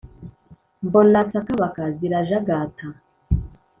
Mbona sakabaka zirajagata